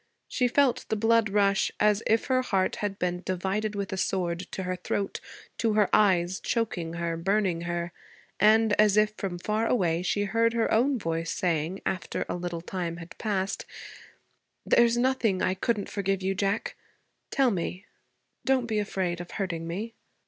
She felt the blood rush, as if her heart had been divided with a sword, to her throat, to her eyes, choking her, burning her; and as if from far away she heard her own voice saying, after a little time had passed, 'There's nothing I couldn't forgive you, Jack. Tell me. Don't be afraid of hurting me.'